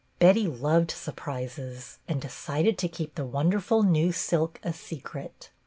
Betty loved surprises, and de cided to keep the wonderful new silk a secret.